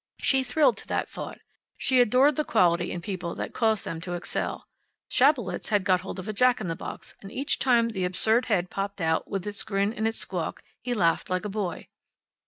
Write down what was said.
She thrilled to that thought. She adored the quality in people that caused them to excel. Schabelitz had got hold of a jack in the box, and each time the absurd head popped out, with its grin and its squawk, he laughed like a boy.